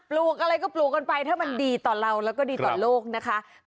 ลูกอะไรก็ปลูกกันไปถ้ามันดีต่อเราแล้วก็ดีต่อโลกนะคะ